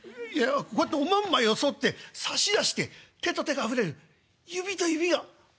こうやっておまんまよそって差し出して手と手が触れる指と指が」。